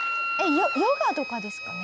ヨガとかですかね？